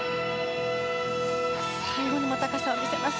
最後にも高さを見せます。